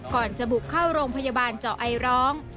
ก่อนจะบุกเข้าโรงพยาบาลเจาะไอร้อง